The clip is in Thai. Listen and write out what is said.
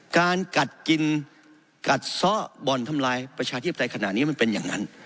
การกัดกินกัดซ่อบ่อนทำลายประชาธิปไตยขนาดนี้มันเป็นอย่างนั้น